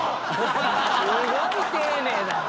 すごい丁寧だな。